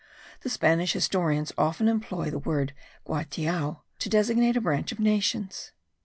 The Spanish historians often employ the word guatiao to designate a branch of nations.